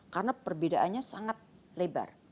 karena perbedaannya sangat lebar